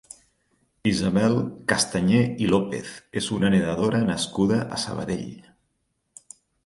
Isabel Castañé i López és una nedadora nascuda a Sabadell.